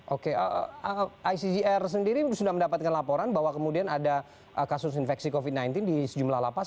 oke icjr sendiri sudah mendapatkan laporan bahwa kemudian ada kasus infeksi covid sembilan belas di sejumlah lapas